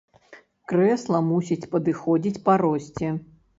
Крэсла мусіць падыходзіць па росце.